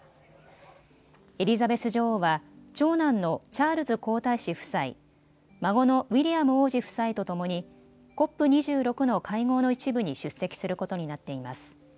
エリザベス女王は長男のチャールズ皇太子夫妻、孫のウィリアム王子夫妻とともにＣＯＰ２６の会合の一部に出席することになっています。